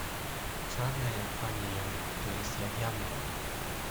"Czarne jak pani i ja, to jest jak ja miałam."